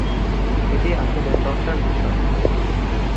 এটি আসলে চর্চার বিষয়।